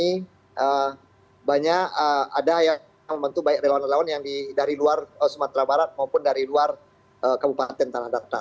kami banyak ada yang membantu relawan relawan yang dari luar sumatera barat maupun dari luar kabupaten tanah latar